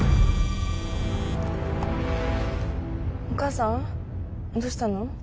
お母さんどうしたの？